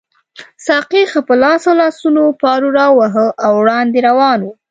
ساقي ښه په خلاصو لاسونو پارو واهه او وړاندې روان وو.